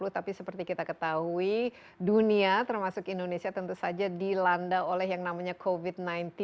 tapi seperti kita ketahui dunia termasuk indonesia tentu saja dilanda oleh yang namanya covid sembilan belas